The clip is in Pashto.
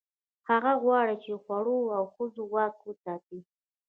هغه غواړي، چې د خوړو او ښځو واک وساتي.